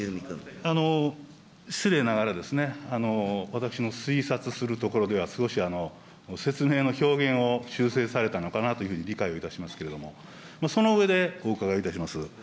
失礼ながら、私の推察するところでは、少し説明の表現を修正されたのかなというふうに理解をいたしますけれども、その上でお伺いいたします。